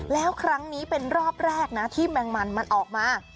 แล้วครั้งนี้เป็นรอบแรกนะที่แมงมันมันออกมา